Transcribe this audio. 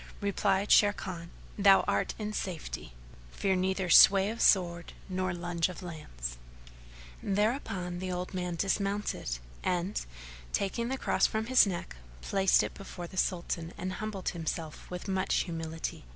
Replied Sharrkan, "Thou art in safety: fear neither sway of sword nor lunge of lance." Thereupon the old man dismounted and, taking the Cross from his neck, placed it before the Sultan and humbled himself with much humility.